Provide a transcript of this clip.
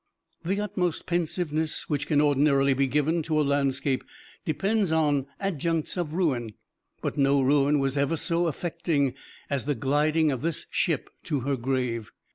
"The utmost pensiveness which can ordinarily be given to a landscape depends on adjuncts of ruin, but no ruin was ever so affecting as the gliding of this ship to her grave.